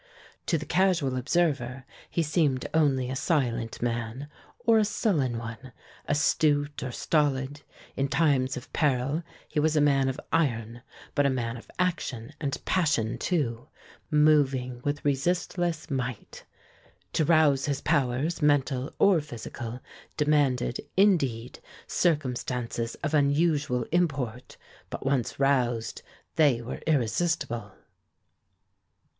To the casual observer, he seemed only a silent man, or a sullen one, astute or stolid; in times of peril he was a man of iron, but a man of action and passion, too, moving with resistless might. To rouse his powers, mental or physical, demanded, indeed, circumstances of unusual import, but once roused they were irresistible.